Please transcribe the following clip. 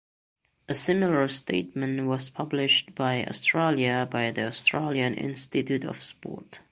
A similar statement was published in Australia by the Australian Institute of Sport.